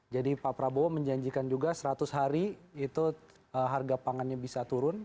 jadi pak prabowo menjanjikan juga seratus hari itu harga pangannya bisa turun